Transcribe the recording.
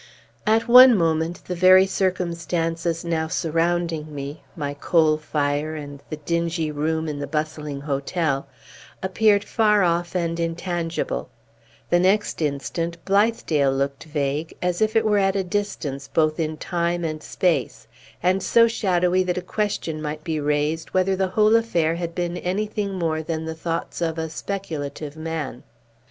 At one moment, the very circumstances now surrounding me my coal fire and the dingy room in the bustling hotel appeared far off and intangible; the next instant Blithedale looked vague, as if it were at a distance both in time and space, and so shadowy that a question might be raised whether the whole affair had been anything more than the thoughts of a speculative man.